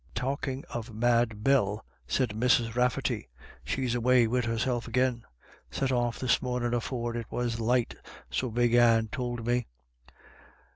" Talkin' of Mad Bell/' said Mrs. Rafferty, ° she's away wid herself agin. Set off this mornin' afore it was light, so Big Anne tould me.